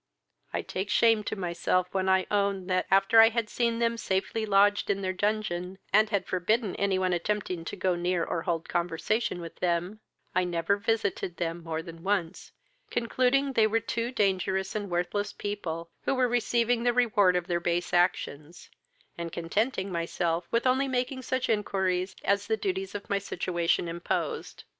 I take shame to myself when I own, that, after I had seen them safely lodged in their dungeon, and had forbidden any one attempting to go near or hold conversation with them, I never visited them more than once, concluding they were two dangerous and worthless people, who were receiving the reward of their base actions, and contenting myself with only making such inquiries as the duties of my situation imposed.